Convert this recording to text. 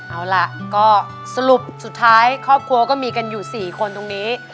เอาล่ะก็สรุปสุดท้ายครอบครัวก็มีกันอยู่๔คนตรงนี้